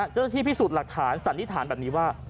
เจ้าหน้าที่พิสูจน์หลักฐานสันนิษฐานแบบนี้ว่า